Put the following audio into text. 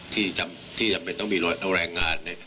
ที่จำเป็นต้องมีเอาแรงงาน